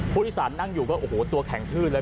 ผู้อิสานนั่งอยู่ก็โอ้โหตัวแข็งทึ้งเลย